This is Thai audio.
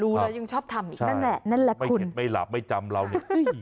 รู้แล้วยังชอบทำใช่นั่นแหละนั่นแหละคุณไม่เข็ดไม่หลับไม่จำเราเนี่ย